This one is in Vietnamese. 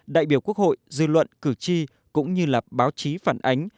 đại biểu quốc hội dư luận cử tri cũng như là báo chí phản ánh